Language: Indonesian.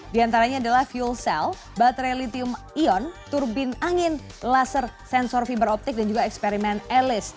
di antaranya adalah fuel cell baterai litium ion turbin angin laser sensor fiberoptik dan juga eksperimen elis